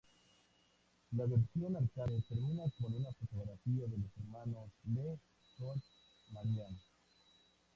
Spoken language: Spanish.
La versión arcade termina con una fotografía de los hermanos Lee con Marian.